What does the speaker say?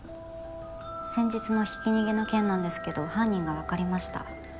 先日のひき逃げの件なんですけど犯人が分かりました。